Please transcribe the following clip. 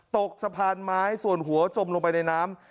ตกสะพานไม้ส่วนหัวจมลงไปในน้ำ